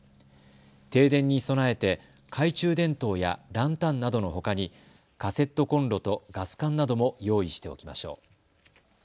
停電に備えて懐中電灯やランタンなどのほかにカセットコンロとガス缶なども用意しておきましょう。